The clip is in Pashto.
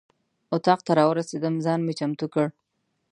اتاق ته راورسېدم ځان مې چمتو کړ.